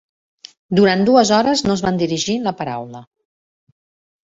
Durant dues hores no es van dirigir la paraula.